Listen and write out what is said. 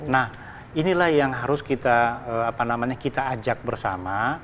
nah inilah yang harus kita apa namanya kita ajak bersama